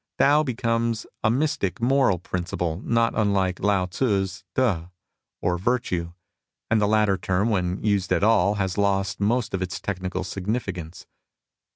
Tao becomes a mystic moral principle not unlike Lao Tzu's T6, or "Virtue," and the latter term when used at all has lost most of its technical significance.